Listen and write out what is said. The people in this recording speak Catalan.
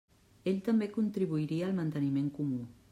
Ell també contribuiria al manteniment comú.